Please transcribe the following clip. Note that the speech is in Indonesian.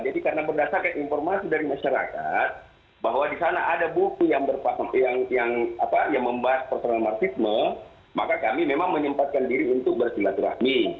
jadi karena berdasarkan informasi dari masyarakat bahwa di sana ada buku yang membahas personal marxisme maka kami memang menyempatkan diri untuk bersilaturahmi